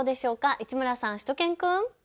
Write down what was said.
市村さん、しゅと犬くん。